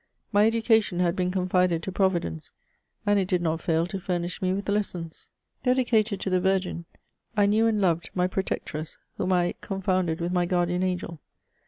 My education had been confided to Providence, and it did not feal to furnish me with lessons. Dedicated to the Virgin, I knew and loved my protectress, whom I confounded with my guardian angel.